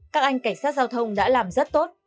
các anh cảnh sát giao thông đã làm rất tốt